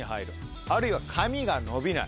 あるいは髪が伸びない。